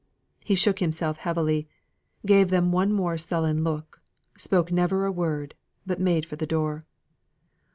He shook himself heavily, gave them one more sullen look, spoke never a word, but made for the door.